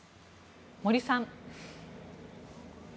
森さん。